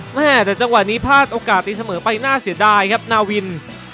แม่แต่จังหวะนี้พลาดโอกาสตีเสมอไปน่าเสียดายครับนาวิน